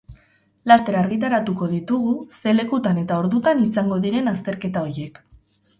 Laster argitaratuko ditugu ze lekutan eta ordutan izango diren azterketa horiek.